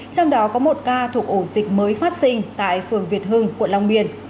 trong đó có một ca thuộc ổ dịch mới phát sinh tại phường việt hưng quận long biên